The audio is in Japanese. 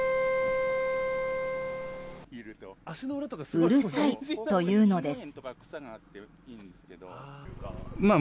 うるさいというのです。